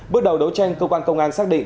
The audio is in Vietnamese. bước đầu đấu tranh công an công an xác định